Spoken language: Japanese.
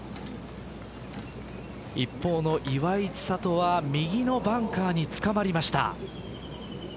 一方の岩井千怜は右のバンカーにつかまりました。